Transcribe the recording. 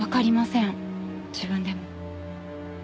自分でも。